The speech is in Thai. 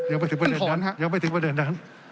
ยังไม่ถึงประเด็นนั้น